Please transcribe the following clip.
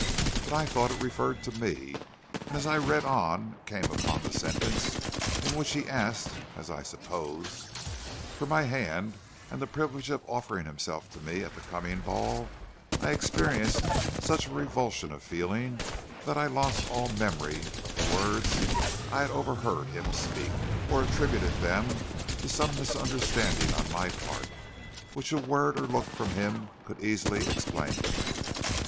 But I thought it referred to me, and as I read on and came upon the sentence in which he asked, as I supposed, for my hand and the privilege of offering himself to me at the coming ball, I experienced such a revulsion of feeling that I lost all memory of the words I had overheard him speak, or attributed them to some misunderstanding on my part, which a word or look from him could easily explain.